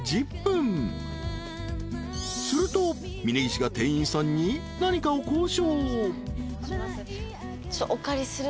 ［すると峯岸が店員さんに何かを交渉］